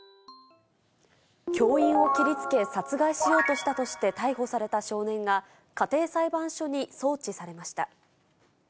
教員を切りつけ殺害しようとしたとして逮捕された少年が、家庭裁判所に送致されました。